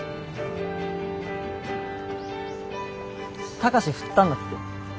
貴志振ったんだって？